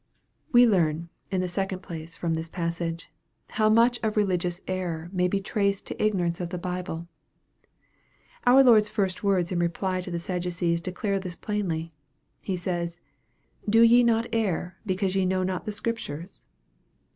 We learn, in the second place, from this passage, how much of religious error may be traced to ignorance of the Bible Our Lord's first words in reply to the Sadducees declare this plainly. He says, " Do ye not err, because ye know not the Scriptures